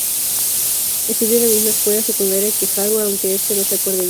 Estudió en la misma escuela secundaria que Haru aunque este no se acuerde bien.